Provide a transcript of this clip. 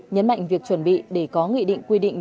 nhấn mạnh việc chuẩn bị để có nghị định quy định